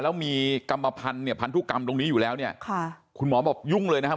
แล้วมีกรรมพันธุกรรมตรงนี้อยู่แล้วเนี่ยคุณหมอบอกยุ่งเลยนะครับ